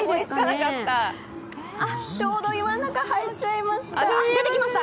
ちょうど岩の中に入っちゃいました出てきました！